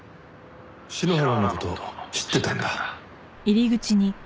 「篠原の事知ってたんだ？」